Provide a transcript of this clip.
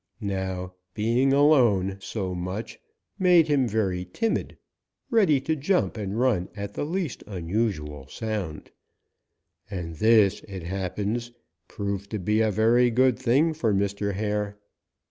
"Now being alone so much made him very timid, ready to jump and run at the least unusual sound, and this, it happens, proved to be a very good thing for Mr. Hare.